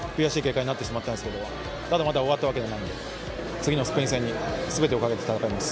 非常に悔しい結果になってしまったんですけど、まだまだ終わったわけではないんで、次のスペイン戦にすべてをかけて戦います。